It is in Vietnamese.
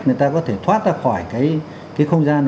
người ta có thể thoát ra khỏi cái không gian